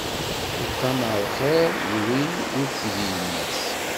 Iṭṭamaɛ lxiṛ deg win ur d-tgi yemma-s.